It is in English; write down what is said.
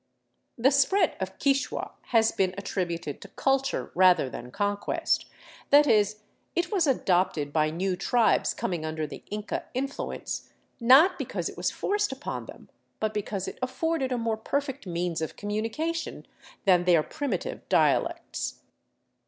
The spread of Quichua has been attributed to culture rather than conquest, that is, it was adopted by new tribes coming under the Inca influence, not because it was forced upon them, but because it afforded a more perfect means of com munication than their primitive dialects.